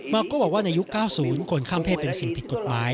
โก้บอกว่าในยุค๙๐คนข้ามเพศเป็นสิ่งผิดกฎหมาย